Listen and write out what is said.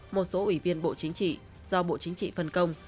một số ủy viên bộ chính trị do bộ chính trị phân công